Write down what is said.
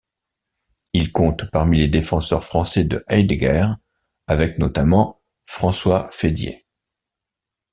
Il compte parmi les défenseurs français de Heidegger avec, notamment, François Fédier.